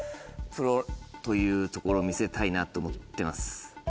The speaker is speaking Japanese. プロというところ見せたいなと思ってます。